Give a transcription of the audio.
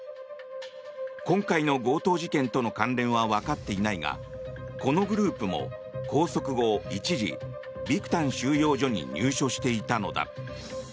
今回の強盗事件との関連はわかっていないがこのグループも拘束後一時、ビクタン収容所に入所していたのだ。